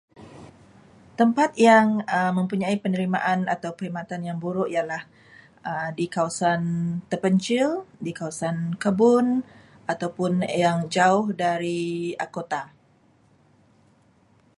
Tempat yang mempunyai penerimaan atau perkhidmatan yang buruk ialah di kawasan terpencil, di kawasan kebun, ataupun yang jauh dari kota.